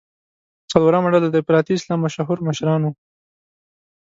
څلورمه ډله د افراطي اسلام مشهور مشران وو.